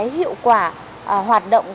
hiệu quả hoạt động